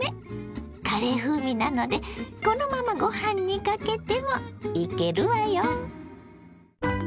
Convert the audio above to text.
カレー風味なのでこのままごはんにかけてもイケるわよ。